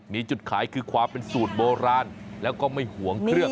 มีจุดขายคือความเป็นสูตรโบราณแล้วก็ไม่ห่วงเครื่อง